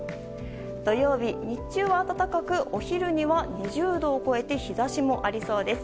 土曜日、日中は暖かくお昼も２０度を超えて日差しも出てきそうです。